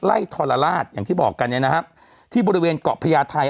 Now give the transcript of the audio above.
ไล่ทรลาลาศอย่างที่บอกกันเนี้ยนะครับที่บริเวณเกาะพญาทัย